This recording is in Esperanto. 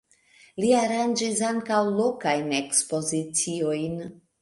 Li aranĝis ankaŭ lokajn ekspoziciojn.